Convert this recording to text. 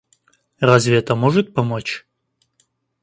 Разве это может помочь?